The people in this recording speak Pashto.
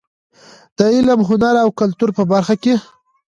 د علم، هنر او کلتور په برخه کې.